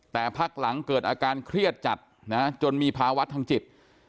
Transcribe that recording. แต่พักหลังเกิดอาการเครียดจัดนะจนมีภาวะทางจิต